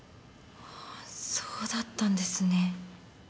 そうだったんですね。